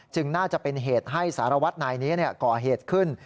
น่าจะเป็นเหตุให้สารวัตรนายนี้ก่อเหตุขึ้น